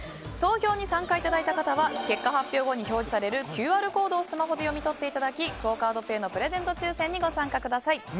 投票に参加いただいた方は結果発表後に表示されるＱＲコードをスマホで読み取っていただきクオ・カードペイのプレゼント抽選にご参加ください。